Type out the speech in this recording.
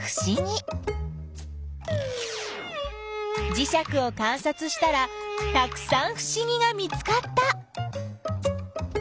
じしゃくをかんさつしたらたくさんふしぎが見つかった！